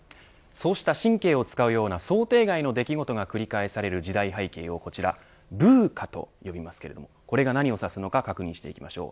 そうした神経を使うような想定外の出来事が繰り返される時代背景をこちらＶＵＣＡと呼びますけれどもこれが何を指すのか確認していきましょう。